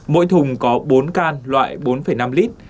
mỗi thùng có bốn can loại bốn năm lít